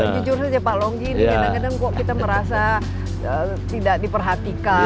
jujur saja pak longgi ini kadang kadang kok kita merasa tidak diperhatikan